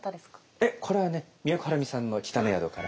えっこれはね都はるみさんの「北の宿から」。